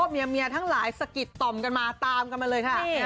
เมียทั้งหลายสะกิดต่อมกันมาตามกันมาเลยค่ะ